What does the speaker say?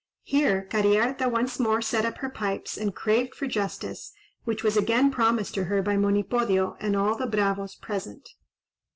Here Cariharta once more set up her pipes and craved for justice, which was again promised to her by Monipodio and all the bravos present.